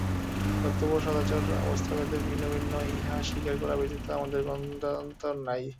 কর্তব্য ও সদাচার অবস্থাভেদে ভিন্ন ভিন্ন, ইহা স্বীকার করা ব্যতীত আমাদের গত্যন্তর নাই।